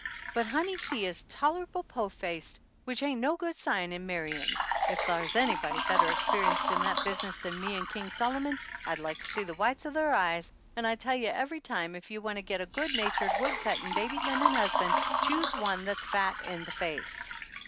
But, honey, he is tolerable po faced, which ain't no good sign in marryin'. If thar's anybody better experienced in that business than me and King Solomon I'd like to see the whites o' ther eyes ; an' I tell you every time, if you want to get a good natured, wood cuttin', baby tendin' husban' choose one that's fat in the face!"